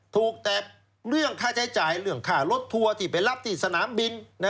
ถูกแต่เรื่องค่าเงินเรื่องค่ารถูกขายที่ไปรับสนามบิน